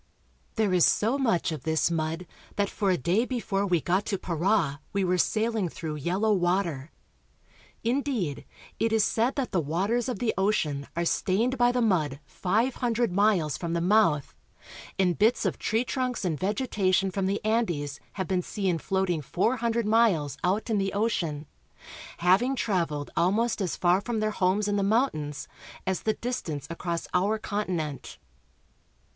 There is so much of this mud that for a day before we got to Para we were sailing through yellow water. In A Home on the Amazon. deed, it is said that the waters of the ocean are stained by the mud five hundred miles from the mouth, and bits of tree trunks and vegetation from the Andes have been seen floating four hundred miles out in the ocean, having trav eled almost as far from their homes in the mountains as the distance across our continent.